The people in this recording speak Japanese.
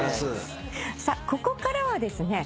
さあここからはですね